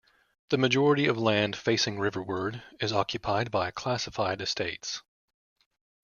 The majority of land facing riverward is occupied by classified estates.